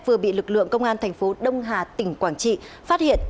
vừa bị lực lượng công an thành phố đông hà tỉnh quảng trị phát hiện